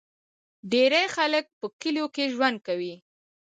ډیری خلک په کلیو کې ژوند کوي.